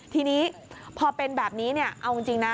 ทีนี้พอเป็นแบบนี้เอาจริงนะ